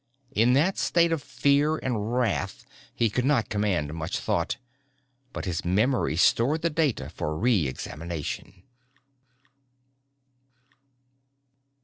In that state of fear and wrath he could not command much thought but his memory stored the data for re examination.